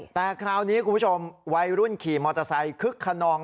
แต่คราวนี้คุณผู้ชมวัยรุ่นขี่มอเตอร์ไซค์คึกขนอง